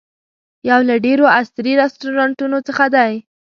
یو له ډېرو عصري رسټورانټونو څخه دی.